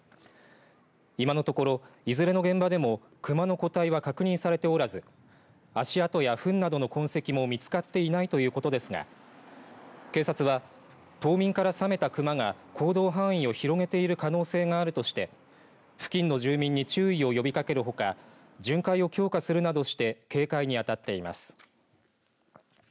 今のところ、いずれの現場でもクマの個体は確認されておらず足跡やふんなどの痕跡も見つかっていないということですが警察は、冬眠から覚めたクマが行動範囲を広げている可能性があるとして付近の住民に注意を呼びかけるほか巡回を強化するなどして警戒にあたっています。